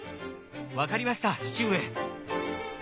分かりました父上。